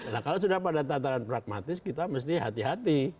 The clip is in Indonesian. nah kalau sudah pada tataran pragmatis kita mesti hati hati